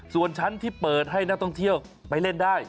ส่วนชั้นที่เปิดให้นักท่องเที่ยวไปเล่นได้